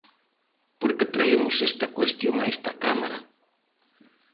¿Por que traemos esta cuestión a esta Cámara?